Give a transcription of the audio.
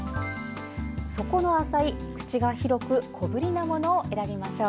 底の浅い、口が広く小ぶりなものを選びましょう。